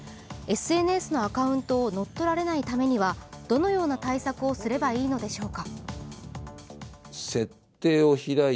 ＳＮＳのアカウントを乗っ取られないためにはどのような対策をすればいいのでしょうか。